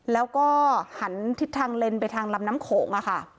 แล้วก็หันทิศทางเลนไปทางลำน้ำโขง